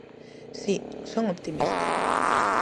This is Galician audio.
Si, son optimista.